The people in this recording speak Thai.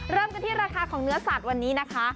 เริ่มกันที่ราคาของเนื้อสัตว์วันนี้นะคะ